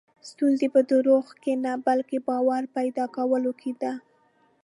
ستونزه په دروغو کې نه، بلکې باور پیدا کولو کې ده.